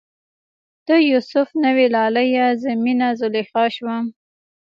ته یو سف نه وی لالیه، زه میینه زلیخا شوم